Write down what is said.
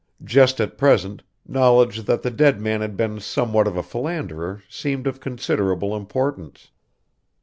Just at present, knowledge that the dead man had been somewhat of a philanderer seemed of considerable importance.